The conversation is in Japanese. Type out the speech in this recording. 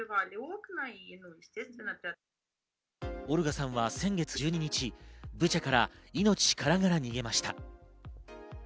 オルガさんは先月１２日ブチャから命からがら逃げました。